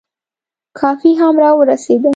کافي هم را ورسېده.